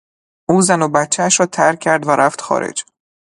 او زن و بچهاش را ترک کرد و رفت خارج.